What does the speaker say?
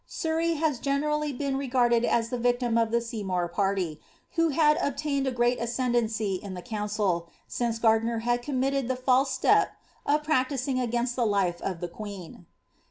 Surrey has gen& Uy been regarded as tlic victim of the Seymour party, who had ol> ined a great ascendancy in the council, since Gardiner had committed e false step of practising against the life of the queen.